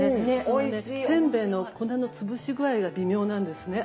それでせんべいの粉の潰し具合が微妙なんですね。